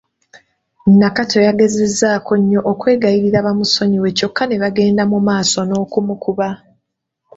Nakato yagezezzaako nnyo okwegayirira bamusonyiwe kyokka ne bagenda mu maaso n’okumukuba.